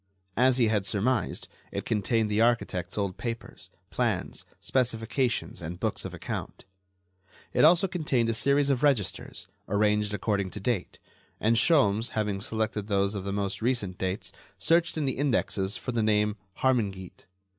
As he had surmised, it contained the architect's old papers, plans, specifications and books of account. It also contained a series of registers, arranged according to date, and Sholmes, having selected those of the most recent dates, searched in the indexes for the name "Harmingeat."